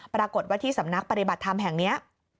ปรากฏว่าที่สำนักปฏิบัติธรรมแห่งนี้